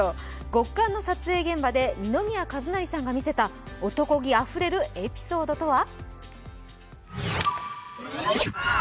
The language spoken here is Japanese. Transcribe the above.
極寒の撮影現場で二宮和也さんが見せた男気あふれるエピソードとは。